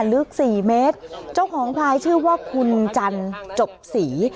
ลึกสี่เมตรเจ้าของควายชื่อว่าคุณจันจบศรี